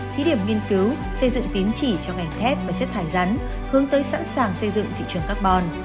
thí điểm nghiên cứu xây dựng tín chỉ cho ngành thép và chất thải rắn hướng tới sẵn sàng xây dựng thị trường carbon